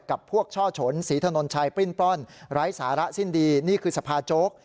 กับพวกช่อฉนศรีถนนชัยปริ้นปล้นไร้สาระสิ้นดีนี่คือสภาโจ๊ก